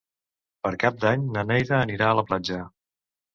Per Cap d'Any na Neida anirà a la platja.